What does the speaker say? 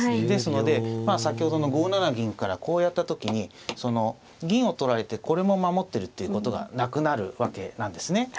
ですので先ほどの５七銀からこうやった時にその銀を取られてこれも守ってるってことがなくなるわけなんですね。